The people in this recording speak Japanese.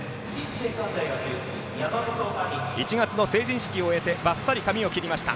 山本亜美、１月の成人式を終えてばっさり髪を切りました。